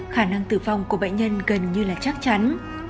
khả năng tử vong của bệnh nhân gần như là chắc chắn